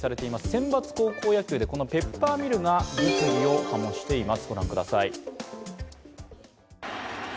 選抜高校野球でこのペッパーミルが物議を醸しています。